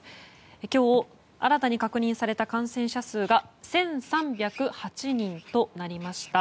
今日新たに確認された感染者数が１３０８人となりました。